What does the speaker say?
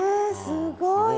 すごい。